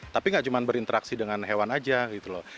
tapi gak cuma berinteraksi dengan hewan aja gitu loh